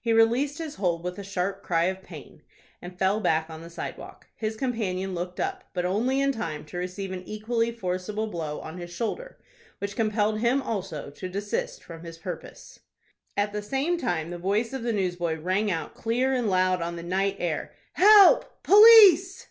He released his hold with a sharp cry of pain, and fell back on the sidewalk. His companion looked up, but only in time to receive an equally forcible blow on his shoulder, which compelled him also to desist from his purpose. At the same time the voice of the newsboy rang out clear and loud on the night air: "Help! Police!"